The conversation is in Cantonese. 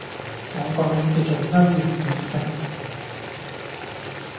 我個名叫做歐陽協成